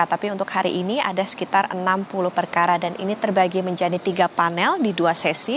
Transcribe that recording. tapi untuk hari ini ada sekitar enam puluh perkara dan ini terbagi menjadi tiga panel di dua sesi